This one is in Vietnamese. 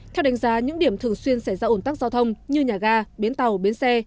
theo đánh giá những điểm thường xuyên xảy ra ủn tắc giao thông như nhà ga bến tàu bến xe